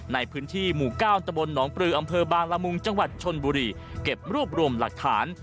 ในพื้นที่หมู่๙ตะบนหนองปลืออำเภอบางละมุงจังหวัดชนบุรีเก็บรวบรวมหลักฐาน